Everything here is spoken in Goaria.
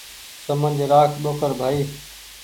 سمجه رآک ٻوکر ڀآئي